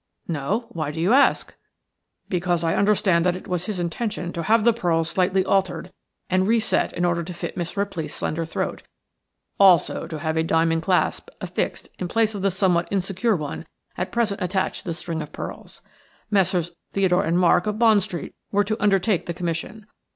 "No; why do you ask?" "Because I understand that it was his intention to have the pearls slightly altered and reset in order to fit Miss Ripley's slender throat; also to have a diamond clasp affixed in place of the somewhat insecure one at present attached to the string of pearls. Messrs. Theodore and Mark, of Bond Street, were to undertake the commission.